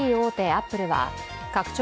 アップルは、拡張